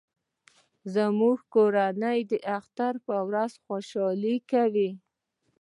زموږ کورنۍ د اختر په ورځ خوشحالي کوي